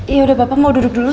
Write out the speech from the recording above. iya udah bapak mau duduk dulu